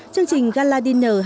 chương trình gala dinner